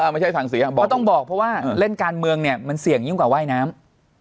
เพราะว่าเล่นการเมืองมันเสี่ยงยิ่งกว่าว่ายน้ำ